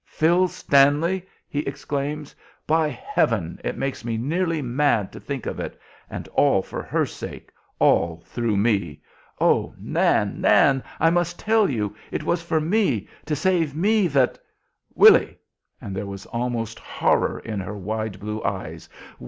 "Phil Stanley!" he exclaims. "By heaven! it makes me nearly mad to think of it! and all for her sake, all through me. Oh, Nan! Nan! I must tell you! It was for me, to save me that " "Willy!" and there is almost horror in her wide blue eyes.